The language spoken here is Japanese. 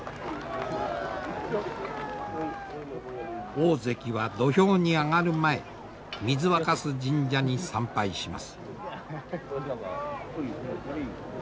大関は土俵に上がる前水若酢神社に参拝します。